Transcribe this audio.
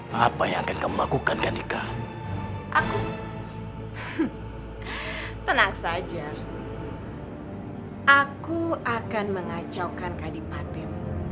hai apa yang akan kamu lakukan kan ika aku tenang saja aku akan mengacaukan kadipatim